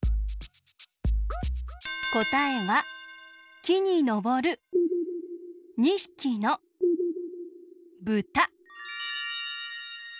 こたえはきにのぼる２ひきのブタ。